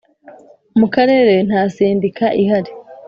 mu Karere nta sendika ihari.